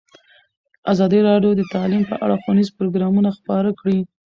ازادي راډیو د تعلیم په اړه ښوونیز پروګرامونه خپاره کړي.